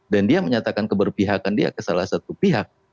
dan dia menyatakan keberpihakan dia ke salah satu pihak